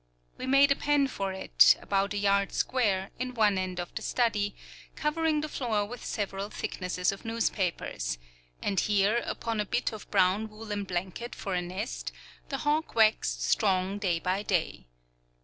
We made a pen for it, about a yard square, in one end of the study, covering the floor with several thicknesses of newspapers; and here, upon a bit of brown woolen blanket for a nest, the hawk waxed strong day by day.